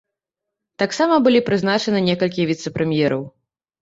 Таксама былі прызначаны некалькі віцэ-прэм'ераў.